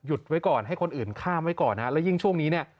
ไว้ก่อนให้คนอื่นข้ามไว้ก่อนฮะแล้วยิ่งช่วงนี้เนี่ย